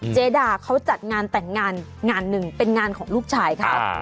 เจดาเขาจัดงานแต่งงานงานหนึ่งเป็นงานของลูกชายเขา